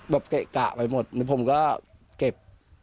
เกะกะไปหมดผมก็เก็บ